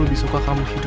buruan ke makam sekarang